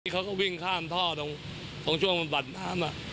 เขาก็วิ่งข้ามท่อตรงช่วงบำบัดน้ำ